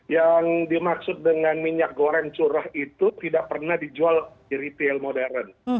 yang dimaksud dengan minyak goreng curah itu tidak pernah dijual di retail modern